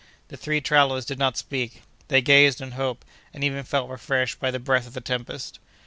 The three travellers did not speak. They gazed, and hoped, and even felt refreshed by the breath of the tempest.